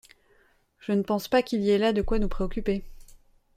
Je ne pense pas qu’il y ait là de quoi nous préoccuper